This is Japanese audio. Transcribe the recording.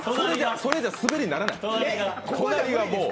それ以上、スベリにならない。